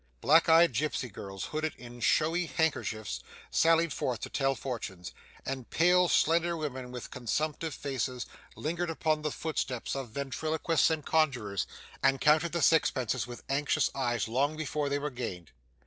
Black eyed gipsy girls, hooded in showy handkerchiefs, sallied forth to tell fortunes, and pale slender women with consumptive faces lingered upon the footsteps of ventriloquists and conjurors, and counted the sixpences with anxious eyes long before they were gained.